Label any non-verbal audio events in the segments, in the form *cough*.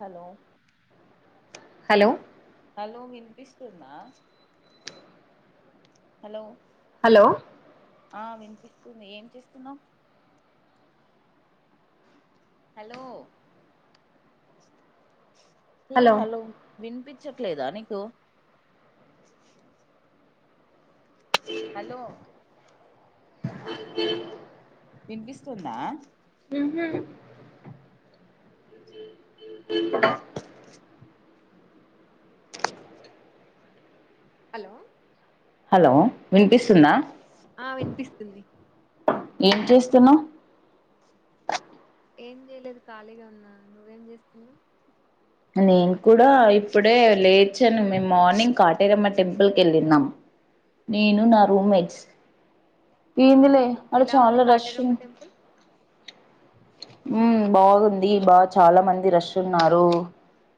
Hello hello hello వినిపిస్తుద hello hello ఆ వినిపిస్త ఏం చేస్తున్నావ్ హలో ఏ హలో విన్పి చట్లేదా నీకు హలో వినిపిస్తుందా ఉహు హలో హలో వినిపిస్తుందా ఆ వినిపిస్తుంది ఏం చేస్తున్నావ్ ఏం చేయలేదు ఖాళీగా ఉన్నా నువ్వేం చేస్తున్నావ్ నేను కూడా ఇప్పుడే లేచాను మేము మార్నింగ్ కాటరమ్మ టెంపుల్కి వెళ్ళినాం నేను నా రూమ్మేట్స్ ఆ ఏందిలే అదే ఆడ ఎలా ఉంది చాలా రష్ కాటేరమ్మ టెంపుల్ ఉ బాగుంది బా చాలా మంది రష్ ఉన్నారు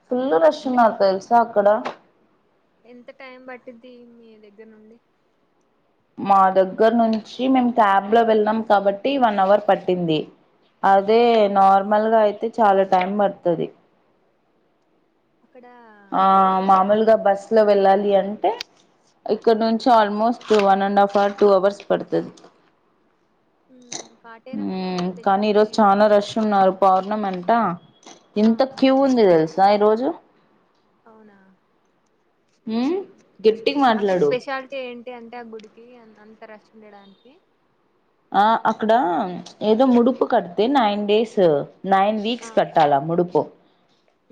ఫుల్ రేష్ అంటే ఉన్నారు తెల్సా చక్కడ ఎంత టైం పట్టిది మీ దగ్గర నుండి మా దగ్గర నుంచి మేము క్యాబ్ లో వెళ్ళం కాబట్టి వన్ అవర్ పట్టింది అదే నార్మల్గా అయితే చాలా టైం పడ్తది అక్కడ మామూలుగా బస్లో వెళ్ళాలి అంటే ఇక్కడ నుంచి almost one and half hour two hours పడుతది ఉమ్, కాటేరమ్మ గుడి కానీ స్పెషాలిటీ ఈరోజు ఏంటి? చాలా రష్ ఉన్నారు పార్ అన్న మంటా ఎంత ఆహా క్యవ్ ఉంది తేల్స్ సాాయి రోజు అవునా మ్మ్ గట్టిగా అక్కడ మాట్లాడు స్పెషాలిటీ ఏంటి అంటే ఆ గుడి కీఅంత రష్ ఉండడానికి ఆ అక్కడ ఏదో ముడుపు కడితే నైన్ డేస్ నైన్ ఆ వీక్స్ కట్టాలా ముడుపు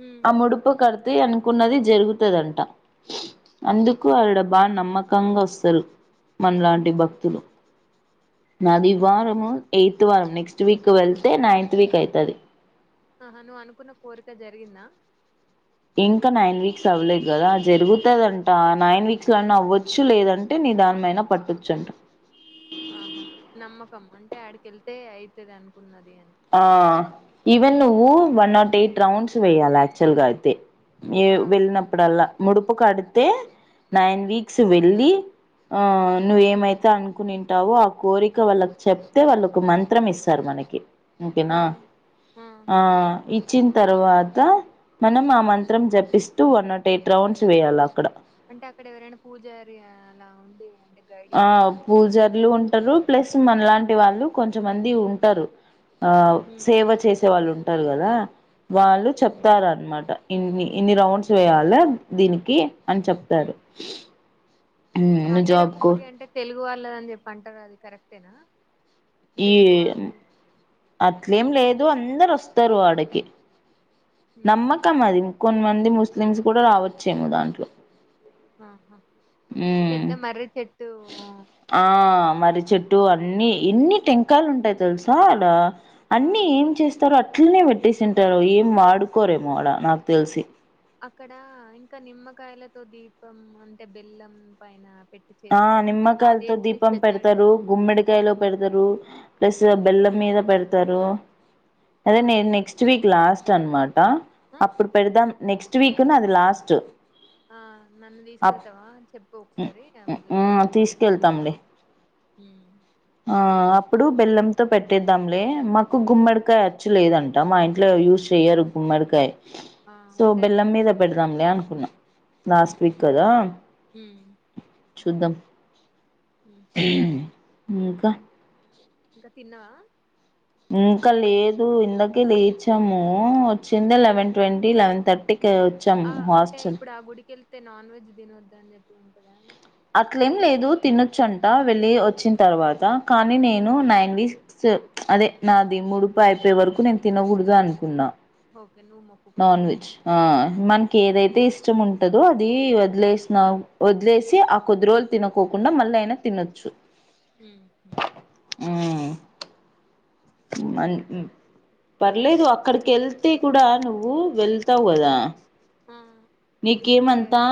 ఉమ్ ఆ ముడుపు కడు త్ తే అనుకున్నది జరుగుతుదంట అందుకు ఆవిడ బాగా డ నమ్మకంగా వస్తారు మనలాంటి భక్తులు ఉహు నాదివాారము ఎయిత్ వారం నెక్స్ట్ వీక్ వెళ్తే నైన్త్ వీక్ అయితది ఆహా నువ్వు అనుకున్న కోరిక జరిగిందా ఇంకా నైన్ వీక్స్ అవ్వలేదు కదా జరుగుతదంట నైన్ వీక్స్ లాన్న అవ్వచ్చు లేదంటే నిీ దానిమైైన పట్టొచ్చు అంట ఆహా నమ్మకమ్మ అంటే ఆడికి వెళ్తే అయితే అనుకున్నది అని ఆ ఈవెన్ నువ్వు వన్ నాట్ ఎయిట్ రౌండ్స్ వేయాలి యాక్చువల్ గా అయితే ఏ ఆ వెళ్ళినప్పుడల్లా ముడుపు కడితే నైన్ వీక్స్ వెళ్ళి ఆ నువ్వ ఏమైతే అనుకునింటావో ఆ కోరిక వాళ్ళకి చెప్తే వాళ్ళు ఒక మంత్రం ఇస్తారు మనకి ఆ ఓకేనా ఆ ఇ వచ్చిన తర్వాత మనం ఆ మంత్రం జపిస్తూ వన్ నాట్ ఎయిట్ రౌండ్స్ వేయాల అక్కడ అంటే అక్కడ ఎవరైనా పూజారి అలా ఉండి అంటే గైడ్ ఆ చేస్తారా పూజారులు ఉంటారు ప్లస్ మనలాంటి వాళ్ళు కొంచెమంది ఉంటారు ఆ ఉమ్ సేవ చేసే వాళ్ళు ఉం అంటారు కదా ఆ వాళ్ళు చెప్తారున్నమాట ఇన్ని ఇన్ని రౌండ్స్ వేయాలన దీనికి అని ఉమ్ చెప్తారు ను జాబ్ కాటేరమ్మ కో గుడి అంటే తెలుగు వాళదని అని చెప్పి అంటారు అది కరెక్టేనా ఈ తెలుగు వాళ్ళు అట్లేం లేదు దో అందరోస్తారు ఆడకి ఉహు నమ్మకం అది కొన్నిమంది ముస్లిమ్స్ కూడా రావచ్చేమో దాంట్లో ఆహా పెద్ద ఉమ్ మర్రి చెట్టు ఉ ఆ మర్రి చెెట్టు అన్నిీ ఇన్ని టెంకాలు ఉంటాయి తెలుసా అలా ఆ అన్నీ ఏం చేస్తారు అ అట్లనే పెట్టేసింటారు ఏం వాడుకోరేమో ఆడ నాకు తెలిసి అక్కడ ఇంకా నిమ్మకాయలతో దీపం అంటే బెల్లం పైన పెట్టి ఆ చేస్తారంట నిమ్మకాయలతో అదేంటి దీపం స్పెషాలిటీ పెడతారు గుమ్మడికాయలో పెడతారు ప్లస్ బెల్లం మీద పెడ త్తరు అదే ఆ నెక్స్ట్ వీక్ లాస్ట్ చన్మాడ్ ఆ అప్పుడు పెడదాం నెక్స్ట్ వీక్ ను అది లాస్ట్ ఆ నన్ను తీసుకెళ్తావా చెప్పు ఒకసారి ఆ తీసుకెళ్తామ్ లే హ్మ ఆ అప్పుడు బెల్లంతో పెట్టేద్దాంలే మాకు గుమ్మడికాయ అచ్చు లేదంట మా ఇంట్లో యూస్ చెయ్యారు గుమ్మడికాయ ఆ సో ఉంటాయి లే. బెల్లమ్మీద పెడేదాములే అను ఉు ఉమ్, లాస్టు్వీక్ కదా చూద్దాం ఉహు మూకా ఇంకా తిన్నావా ఇంకా లేదు ఇందకే లేచాము వచ్చింది లెవెన్ ట్వంటీ లెవెన్ థర్టీ కే వచ్చాం ఆ హాస్టల్ ఇప్పుడు ఆ గుడికి వెళ్తే అంటే నాన్ వెజ్ తినొద్దు అని చెప్పి ఉంటదా అట్లేం లేదు తినొచ్చ అంట వెళ్ళి వచ్చిన తర్వాత కానీ నేను నైన్ సిక్స్ అదే నాది ముడుపు అయిపోయే వరకు నేను తినకూడదు అనుకున్నా ఓకే నువ్వు నాన్ మొక్కుకున్నావా వెజ్ ఆ మనకి ఏదైతే ఇష్టం ఉంటందో అది వదిలేసిన వదిలేసి ఆ కొద్దిరోజలు తినకోకుండా మళ్ళ అయినా తినొచ్చు మ్మ్ మ్మ్ మ పర్లేదు అక్కడికి వెళ్తే కూడా నువ్వు వెళ్తావు కదా ఆ అంటే నీకేమంతా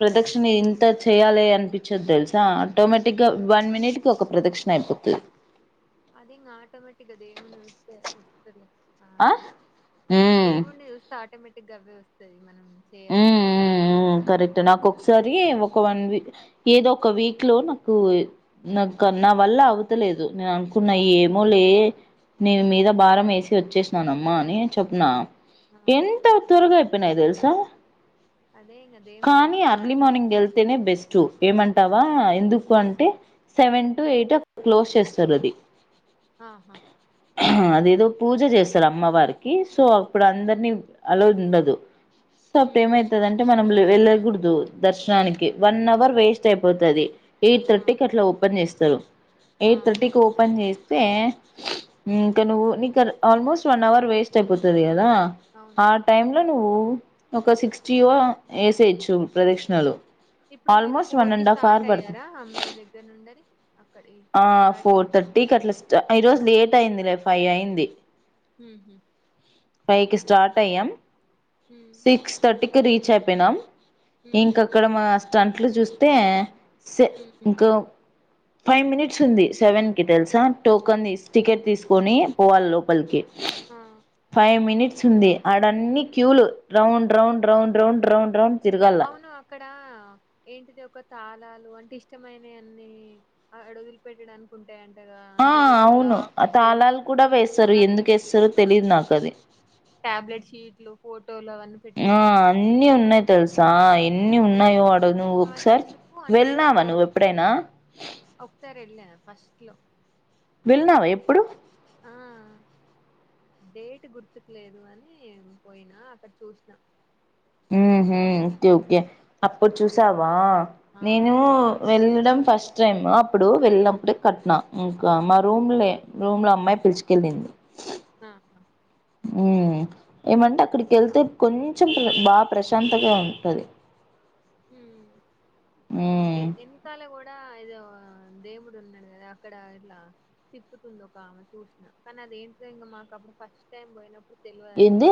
ప్రదక్షిణ ఇంత చేయాలి అనిపించది తెలుసా ఆటోమేటిక్ గా వన్ మినిట్ కి ఒక ప్రదక్షిణ అయిపోతది ఆది ఇంకా ఆటోమేటిక్ అదేముంది వస్తాయా వస్తదిలే ఆ మ్మ్ గావే వస్తాయి మనం చేయాలనుకున్న అదే ఉమ్ కరెక్ట్ నాకు ఒకసారి ఒక వన్ ఏదో ఒక వీక్ లో నాకు నాకు నా వల్ల అవతలేదు నేను అనుకున్న ఏమో లే నీ ఆ మీద భారం వేసి వచ్చేస నానమ్మా అని చెప్పిన ఆ, ఎంత త్వరగా అయిపోయినా తెల్సా ఆ అదే ఇంగ దేవుడు కానీ అర్లీ దారి మార్నింగ్ చూపిస్తాడు వెళ్తేనే బెస్ట్ ఏమన్ వా ఎందుకు అంటే సెవెన్ టు ఎయిట్ క్లోజ్ చేస్తారు అది ఆహా అదేదో పూజ చేస్తారు అమ్మవారికి సో అప్పుడు అందరినీ అల్లో ఉండదు స ఉమ్, ప్రేమ ఉమ్. అయితాదంటై మ వెళ్ళకూడదు దర్శనానికి వన్న్ అవర్ వేస్ట్ అయిపోతది ఎయిట్ ఆ థర్టీ కి అట్లా ఓపెన్ చెస్ *unintelligible* ఆ ఎయిట్ థర్టీకి ఓపెన్ చే తే ఇక నువ్వు నీక ఆల్మోస్ట్ వన్ అవర్ వేస్ట్ అయిపోతది కదా అవును ఆ టైమ్ లో నువ్వు ఒక సిక్స్టీ యేసయ్యచు ప్రదక్షణలు ఇప్పుడు మీరు ఫోర్ కి స్టార్ట్ అయ్యారా అమ్మీ దగ్గర నుండి అది అక్కడి ఆ ఫోర్ టెంప్ థర్టీకి అట్లా స్టార్ట్ ఈ రోజు లేట్ అయింది లే ఫైవ్ అయింది ఉమ్ ఉహు ఫైవ్ కి స్టార్ట్ అయ్యాం హ్మ్. సిక్స్ థర్టీ రీచ్ అయిపోయినామ హ్మ్. ఇంక అక్కడ మా స్ంట్లు చూస్తే హ్మ్. సింకా ఫైవ్ మినిట్స్ ఉంది సెవెన్కి తెలుసా టోకన్ తీ టికెట్ తీసుకొని పోవాలి లోపలికి ఆ! ఫైవ్ మినిట్స్ ఉంది ఆడన్ని క్యూలు round round round round round round తిరగాల అవును అక్కడ ఏంటిది ఒక కాలాలు అంటే ఇష్టమైనవి అన్ని ఆడ వదిలి పెట్టాడినికి ఉంటా ఆ అవును ఆ తాళాలు కూడా వేస్తారు ఎందుకు టాబ్లెట్ వేస్తారో షీట్లు, తెలిదు నాకు అది ఫోర్ట్ ఆ అన్ని ఉన్నాయి తెలుసా ఎన్ని ఉన్నాయో నువ్వు అవన్నీ ఒకసారి ఎందుకు అంటే ఇట్లా వెళ్ళనావా కోరు నువ్వు ఎప్పుడైనా ఫస్ట్ లో వెళ్నావా ఎప్పుడు ఆ డేట్ గుర్తుకు లేదు అని పోయినా అక్కడ చూసినా ఓకే ఓకే అప్పుడు చూసావా ఆ! నేను వెలడం ఫస్ట్ టైమ్ అప్పుడు వెళ్ళినప్పుడే కట్న ఇంకా మా రూమ్లే రూమ్ లో అమ్మాయి పిలుచుకెళ్ళింది ఊహూ ఉ ఏమంటే అక్కడికి వెళ్తే కొంచెం బా ప్రశాంతగా ఉంటుంది హ్మ్ మ్మ్ ఎం కలగూడా ఏదో దేవుడు ఉన్నాడు కదా అక్కడ ఇట్లా తిప్పుతుంది ఒక ఆమె చూసిన కానీ అదేంటి ఇంకా మాకు అప్పుడు ఫస్ట్ టైం పోయినప్పుడు ఇప్పుడు తెలియదని ఏంది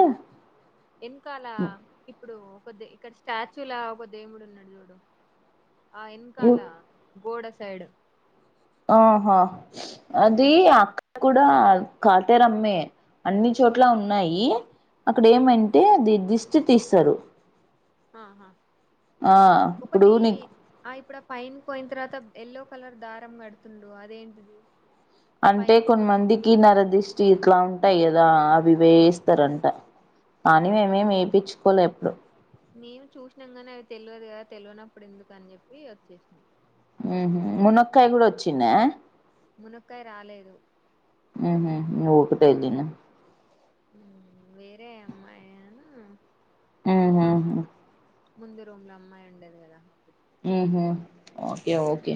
వెనకాల ఇప్పుడు ఒక కొద్ది ఇక్కడ స్టాచ్యూ లా ఒకద్ దేవుడు ఉన్నాడు చూడు ఆ యు ఎనకాల గోడసైడ్ ఆహా అది అక్కడ కూడా కాతేేరమ్మే అన్ని చోట్ల ఉన్నాయి అక్కడ ఏమంటే అది దస్ ర్చి తీస్తరు ఆహా ఆ ఇప్పుడు నీకు పైన్ పోయిన తర్వాత ఎల్లో కలర్ దారం కడుతుండు అదేంటిది అంటే పైన్ కొన్మందికి నరదిష్ చీట్లా ఉంటాయి కదా వివేస్తారంట కానీ మేమే ఎపించు పోలే ఎప్పుడు నేను చూసినాం నీ అవి తెలియదు కదా తెలివనప్పుడు ఎందుకు అని చెప్పి వచ్చేసినా మునక్కయ కూడా వచ్చినన్న మునక్కయ రాలేదు అవునా మోపతేజినా వేరే అమ్మాయా ఆహ ముందు రూమ్ లో అమ్మాయి ఉండేది కదా ఉహుఓకే ఓకే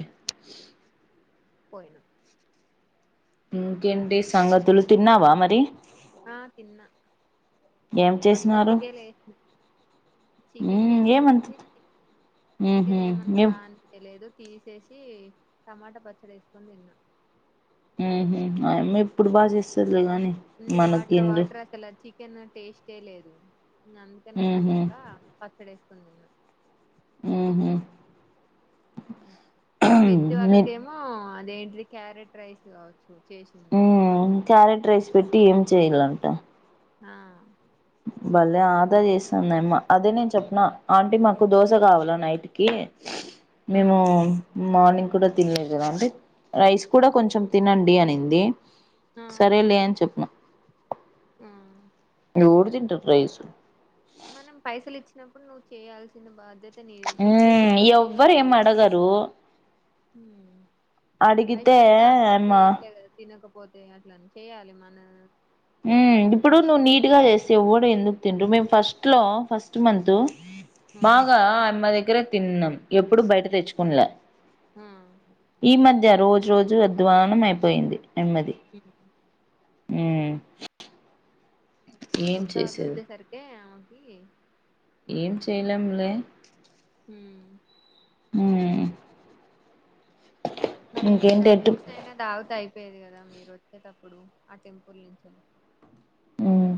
పోయినా ఇంకేంటి సంగతులు తిన్నావా మరి ఆ తిన్నా ఏం వన్ చేసినారు థర్టీకే లేసిన చికెన్ ఉమ్ ఏమంత చేసిందంటే ఉహు చికెన్ ఏమంత ఏం బాగా అనిపించతెలిదు తీసేసి టమాటా పచ్చడి వేసుకొని తిన్నాం అ అమ్మాయి ఇప్పుడు బాగా చేస్తది అలుగాని మన కిండ్రు కెన్నా టేస్టే లేదు అందుకే నేను ఉహు నచ్చక పచ్చ పడేసుకొని తిన్న ఉహు వెజ్ మీ వాళ్ళకేమో ఆ అదేంటిీ ది క్యారెట్ రైస్ చూ చేసింది ఉమ్ క్యారెట్ రైస్ పెట్టి ఏం చెయాలంట ఆా బళ్లేీ ఆదా చేస్తుందమ్మా అదే నేను చెప్పిన ఆంటీ మాకు దోశ కావాల నైట్ కి ఆ మేము మార్నింగ్ కూడా తినలేదు కదా అంటే రైస్ కూడా కొంచెం తినండి అనింది ఆ సరే లే అని చెప్పను ఆ ఎడు తింటాడు. రైస్ మనం పైసలు ఇచ్చినప్పుడు నువ్వు చేయాల్సిన బాధ్యత నీది హ తింటే తింటాం ఎవ్వరు ఏం అడగరు హ అడిగితే పైసలైతే అంత తక్కువ అమ్మ ఎయిట్లేదు కద తినకు పోతే అట్లని చేయ్యాలి మన ఉ చేయాలి ఇప్పుడు నువ్వు నీట్ గా చేస్తే ఎవ్వడు ఎందుకు తింటు మేము ఫస్ట్లో ఫస్ట్ మంత్ ఆ బాగా అమ్మది దగ్గర తిన్నాం ఎప్పుడు బయట తెచ్చుకుండ్ల ఆ రోజు రోజు అధ్వానం అయిపోయింది నెమ్మది ఉ ఉమ్ ఏం కొత్తా వాళ్ళ చేసేది వచ్చేసరికిే కీ ఏం చెయలేము లే హ హ మరి ఏమైనా జూసై అయినా దాగుతా ఇపు ప్పేది కదా మీరు వచ్చేటప్పుడు ఆ టెంపుల్ నుంచి ఉమ్